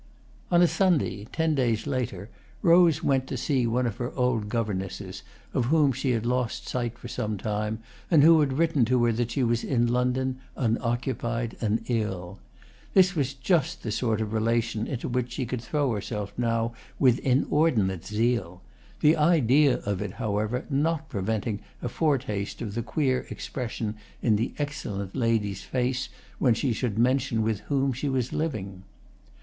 On a Sunday, ten days later, Rose went to see one of her old governesses, of whom she had lost sight for some time and who had written to her that she was in London, unoccupied and ill. This was just the sort of relation into which she could throw herself now with inordinate zeal; the idea of it, however, not preventing a foretaste of the queer expression in the excellent lady's face when she should mention with whom she was living.